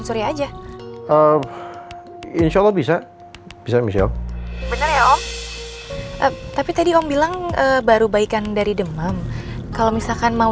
hari aja insya allah bisa bisa bisa tapi tadi om bilang baru baikan dari demam kalau misalkan mau